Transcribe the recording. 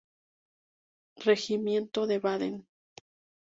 Regimiento de Baden.